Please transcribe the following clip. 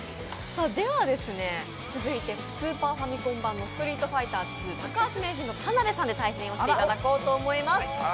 続いてスーパーファミコン版の「ストリートファイターⅡ」高橋名人と田辺さんで対戦をしていただこうと思います。